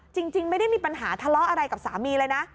จริงไม่ได้มีปัญหาทะเลาะอะไรกับสามีเลยนะ